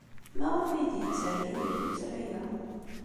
Maɣef ay d-yetter Yidir tuttra-a?